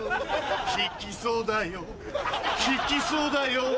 弾きそうだよ弾きそうだよ